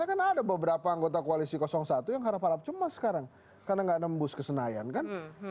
kan ada beberapa anggota koalisi satu yang harap harap cuma sekarang karena gak nembus kesenayan kan